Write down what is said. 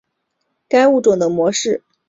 该物种的模式产地在长崎。